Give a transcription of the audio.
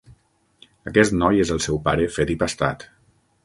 Aquest noi és el seu pare fet i pastat.